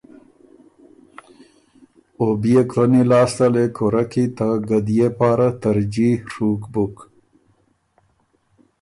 او بيې کُلّنی لاسته لې کُورۀ کی ته ګديې پاره ترجیع ڒُوک بُک۔